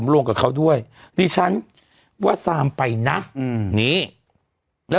ดอกอ่า